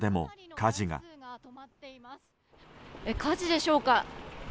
火事でしょうか。